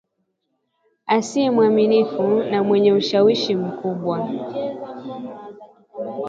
asiye mwaminifu na mwenye ushawishi mkubwa